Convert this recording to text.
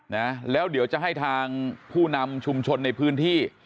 นะแล้วเดี๋ยวจะให้ทางผู้นำชุมชนในพื้นที่